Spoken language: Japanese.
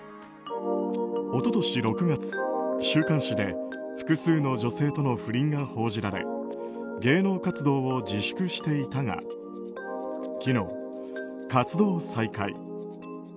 一昨年６月、週刊誌で複数の女性との不倫が報じられ芸能活動を自粛していたが昨日、活動再開。